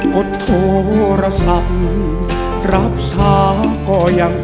กดโทรศัพท์รับช้าก็ยัง